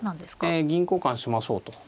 ええ銀交換しましょうと。